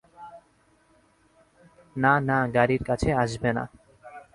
না না, গাড়ির কাছে আসবে না।